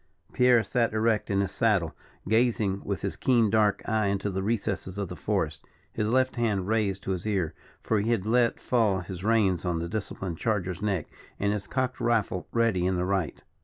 Pierre sat erect in his saddle; gazing with his keen dark eye into the recesses of the forest, his left hand raised to his ear, for he had let fall his reins on the disciplined charger's neck, and his cocked rifle ready in the right.